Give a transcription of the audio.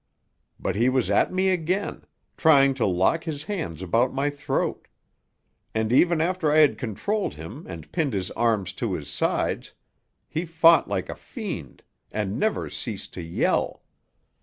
But he was at me again, trying to lock his hands about my throat; and, even after I had controlled him and pinned his arms to his sides, he fought like a fiend, and never ceased to yell.